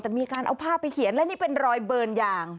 แต่มีการเอาภาพไปเขียนและนี่เป็นรอยเบิร์นยาง